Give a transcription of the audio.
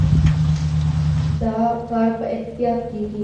دا کار په احتیاط کېږي.